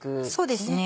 そうですね